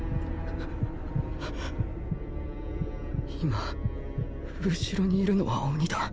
今後ろにいるのは鬼だ